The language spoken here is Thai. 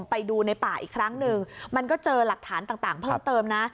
ไปดูในป่าอีกครั้งหนึ่งมันก็เจอหลักฐานต่างเพิ่มเติมนะ